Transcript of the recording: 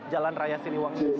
di jalan raya siringwangi